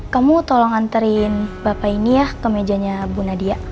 kamu tolong hantarkan bapak ini ke meja ibu nadia